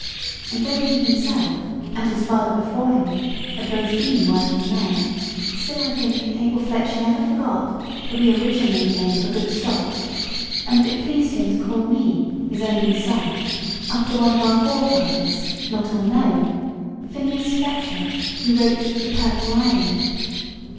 And though he himself, and his father before him, had both been working men, still, I think, Abel Fletcher never forgot that we originally came of a good stock, and that it pleased him to call me, his only son, after one of our forefathers, not unknown Phineas Fletcher, who wrote the "Purple Island."